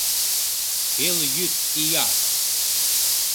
Пелйӱд ия!